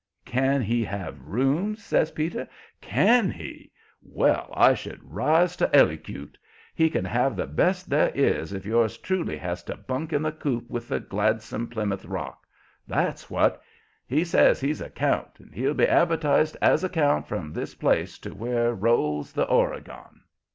"Can he have rooms?" says Peter. "CAN he? Well, I should rise to elocute! He can have the best there is if yours truly has to bunk in the coop with the gladsome Plymouth Rock. That's what! He says he's a count and he'll be advertised as a count from this place to where rolls the Oregon."